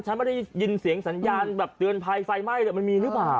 ไม่ได้ยินเสียงสัญญาณแบบเตือนภัยไฟไหม้เลยมันมีหรือเปล่า